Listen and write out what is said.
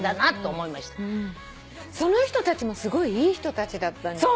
その人たちもすごいいい人たちだったんじゃない？